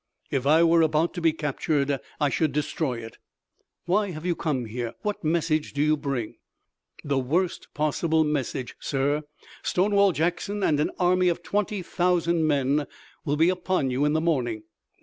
"If I were about to be captured I should destroy it." "Why have you come here? What message do you bring?" "The worst possible message, sir. Stonewall Jackson and an army of twenty thousand men will be upon you in the morning."